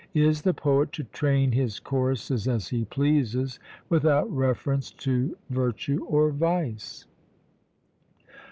Is the poet to train his choruses as he pleases, without reference to virtue or vice?